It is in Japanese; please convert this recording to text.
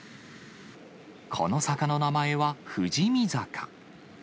この坂の名前は富士見坂。